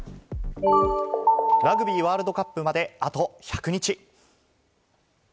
ラグビーワールドカップまで、あと１００日。